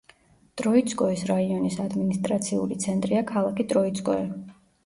ტროიცკოეს რაიონის ადმინისტრაციული ცენტრია ქალაქი ტროიცკოე.